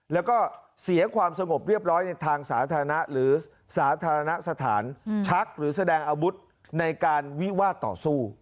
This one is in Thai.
แล้วก็เสียความสงบเรียบร้อยในทางสาธารณะหรือสาธารณสถานชักหรือแสดงอาวุธในการวิวาดต่อสู้